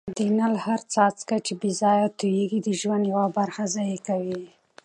د نل هر څاڅکی چي بې ځایه تویېږي د ژوند یوه برخه ضایع کوي.